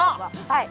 はい。